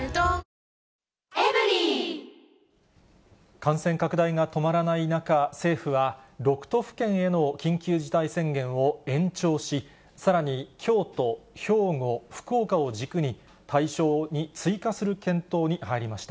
感染拡大が止まらない中、政府は６都府県への緊急事態宣言を延長し、さらに京都、兵庫、福岡を軸に、対象に追加する検討に入りました。